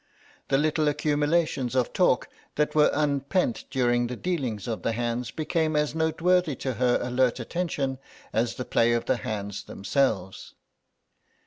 The little accumulations of talk that were unpent during the dealing of the hands became as noteworthy to her alert attention as the play of the hands themselves.